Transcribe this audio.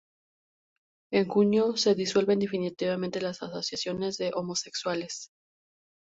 En junio se disuelven definitivamente las asociaciones de homosexuales.